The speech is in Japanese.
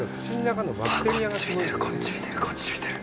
あっ、こっち見てる、こっち見てる。